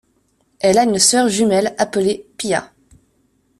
Elle a une soeur jumelle appelée Pia.